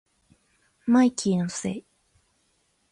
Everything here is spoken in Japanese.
マイキーのせい